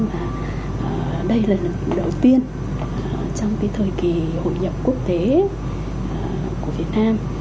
và đây là lần đầu tiên trong cái thời kỳ hội nhập quốc tế của việt nam